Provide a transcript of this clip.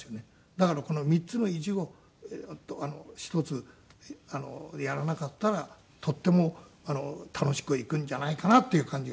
だからこの３つのイジを一つやらなかったらとても楽しくいくんじゃないかなっていう感じが。